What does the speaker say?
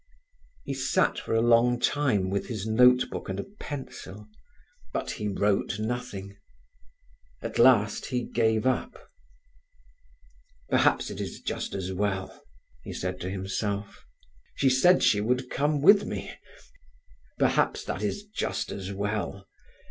He sat for a long time with his notebook and a pencil, but he wrote nothing. At last he gave up. "Perhaps it is just as well," he said to himself. "She said she would come with me—perhaps that is just as well.